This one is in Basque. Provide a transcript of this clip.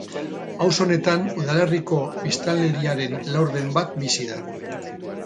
Auzo honetan udalerriko biztanleriaren laurden bat bizi da.